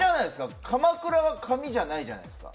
かまくらは紙じゃないじゃないですか。